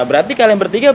berarti kalian bertiga berdo